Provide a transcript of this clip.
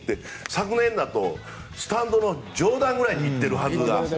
昨年だと、スタンドの上段ぐらいに行っているはずが。